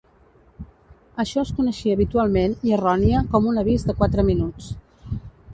Això es coneixia habitualment i errònia com un avís de quatre minuts.